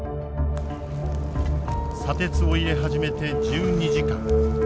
砂鉄を入れ始めて１２時間。